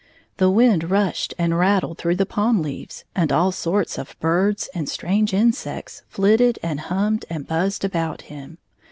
The wind rushed and rattled through the palm leaves, and all sorts of birds and strange insects flitted and hummed and buzzed about him.